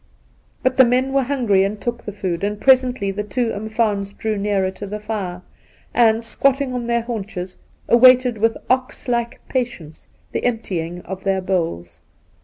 But the men were hungry and took the food ; and presently the two umfaans drew nearer to the fire, and, squatting on their haunches, awaited with ox like patience the emptying of their bowls.